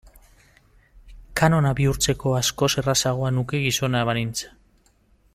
Kanona bihurtzeko askoz errazagoa nuke gizona banintz.